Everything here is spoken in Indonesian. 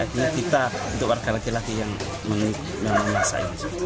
akhirnya kita untuk warga lagi lagi yang memasak